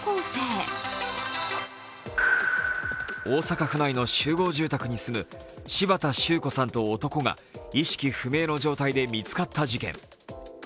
大阪府内の集合住宅に住む柴田周子さんと男が意識不明の状態で見つかった事件。